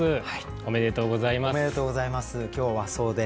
おめでとうございます。